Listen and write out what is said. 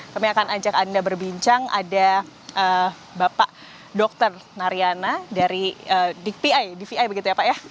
kami akan ajak anda berbincang ada bapak dr nariana dari dpi dvi begitu ya pak ya